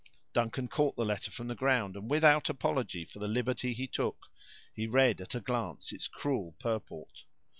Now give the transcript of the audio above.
Duncan caught the letter from the ground, and without apology for the liberty he took, he read at a glance its cruel purport.